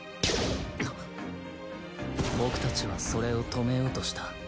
僕たちはそれを止めようとした。